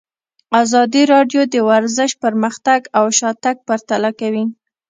ازادي راډیو د ورزش پرمختګ او شاتګ پرتله کړی.